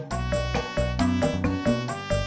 bang belum diturut